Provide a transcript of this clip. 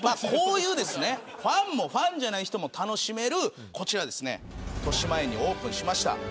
ファンでもファンじゃない人でも楽しめるとしまえんにオープンしました。